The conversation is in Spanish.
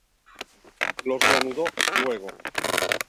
Los reanudó luego.